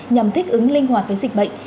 nhằm thích ứng linh hoạt với dịch bệnh